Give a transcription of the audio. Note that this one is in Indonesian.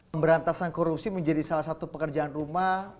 pemberantasan korupsi menjadi salah satu pekerjaan rumah